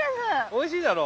おいしいだろ？